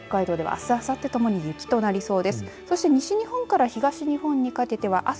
北海道ではあす、あさってともに雪となりそうです。